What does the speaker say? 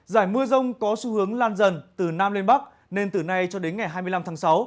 giải mưa rông có xu hướng lan dần từ nam lên bắc nên từ nay cho đến ngày hai mươi năm tháng sáu